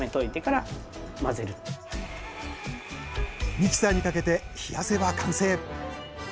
ミキサーにかけて冷やせば完成。